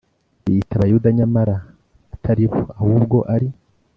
biyita Abayuda nyamara atari bo ahubwo ari